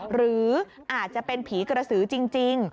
หรืออาจจะเป็นผีกระสือจริง